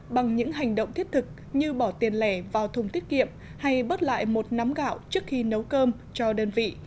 bằng những hành động thiết thực như bỏ tiền lẻ vào thùng tiết kiệm hay bớt lại một nắm gạo trước khi nấu cơm cho đơn vị